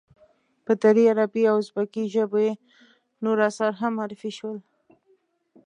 په دري، عربي او ازبکي ژبو یې نور آثار هم معرفی شول.